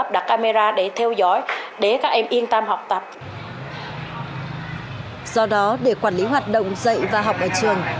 do đó để quản lý hoạt động dạy và học ở trường